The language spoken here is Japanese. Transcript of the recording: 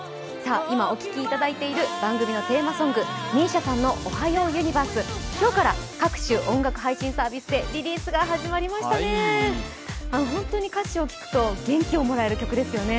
今、お聴きいただいている番組のテーマソング、ＭＩＳＩＡさんの「おはようユニバース」今日から各種音楽配信サービスでリリースが始まりましたね。